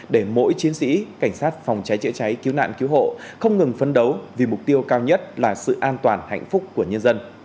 để mỗi chiến sĩ cảnh sát phòng cháy chữa cháy cứu nạn cứu hộ không ngừng phấn đấu vì mục tiêu cao nhất là sự an toàn hạnh phúc của nhân dân